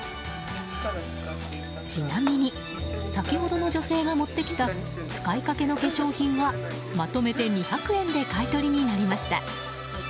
ちなみに先ほどの女性が持ってきた使いかけの化粧品はまとめて２００円で買い取りになりました。